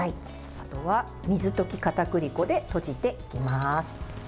あとは水溶きかたくり粉でとじていきます。